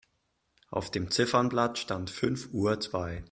Auf dem Ziffernblatt stand fünf Uhr zwei.